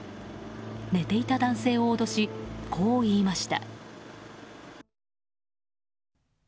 寝ていた男性を脅しこう言いました。